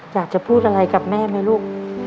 อยากจะพูดอะไรกับแม่ไหมลูก